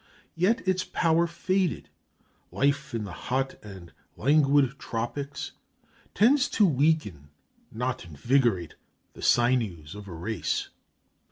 Yet its power faded. Life in the hot and languid tropics tends to weaken, not invigorate, the sinews of a race.